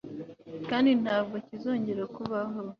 kandi ntabwo kizongera kubaho